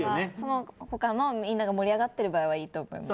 他のみんなが盛り上がってる場合はいいと思います。